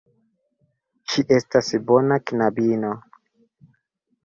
Ŝi estas bona knabino.